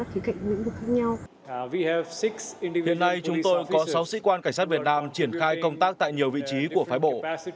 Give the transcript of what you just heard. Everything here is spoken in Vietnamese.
hiện nay chúng tôi có sáu sĩ quan cảnh sát việt nam triển khai công tác tại nhiều vị trí của phái bộ